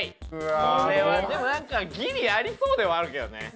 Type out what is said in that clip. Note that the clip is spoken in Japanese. これはでもなんかギリありそうではあるけどね。